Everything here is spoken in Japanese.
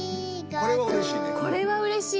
これはうれしい。